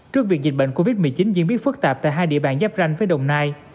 trước việc dịch bệnh covid một mươi chín diễn biến phức tạp tại hai địa bàn giáp ranh với đồng nai